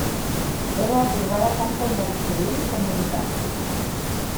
Era atorgada tant pel mèrit civil com militar.